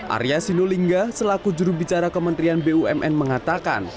arya sinulinga selaku jurubicara kementerian bumn mengatakan